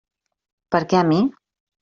Per què a mi?